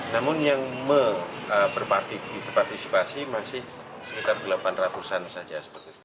namun yang berpartisipasi masih sekitar delapan ratus an saja